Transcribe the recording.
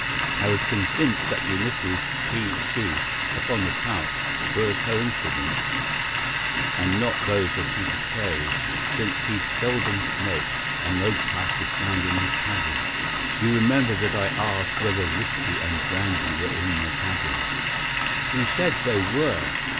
I was convinced that the initials 'P.C.' upon the pouch were a coincidence, and not those of Peter Carey, since he seldom smoked, and no pipe was found in his cabin. You remember that I asked whether whisky and brandy were in the cabin. You said they were.